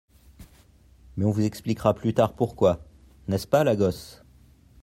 Mais on vous expliquera plus tard pourquoi ; n’est-ce pas, la gosse ?